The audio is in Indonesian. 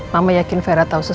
jadi tolong beritahu saya